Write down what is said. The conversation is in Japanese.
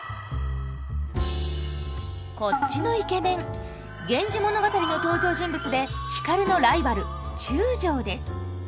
こっちのイケメン「源氏物語」の登場人物で光のライバル中将です。